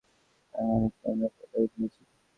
তার মানে কি আমরা প্রতারিত হয়েছি?